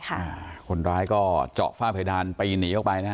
คนร้ายก็เจาะฝ้าเพนี่ด้านหนีออกไป